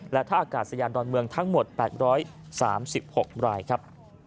และท่าอากาศยานดอนเมืองทั้งหมด๘๓๖รายครับ